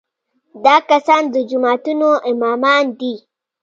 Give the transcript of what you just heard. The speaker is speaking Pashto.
دا کسان د جوماتونو امامان دي.